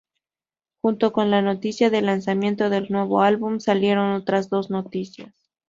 Junto con la noticia del lanzamiento del nuevo álbum salieron otras dos noticias.